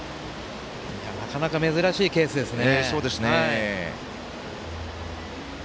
なかなか珍しいケースですね。